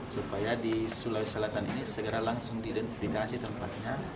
supaya di sulawesi selatan ini segera langsung diidentifikasi tempatnya